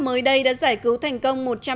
mới đây đã giải cứu thành công một trăm năm mươi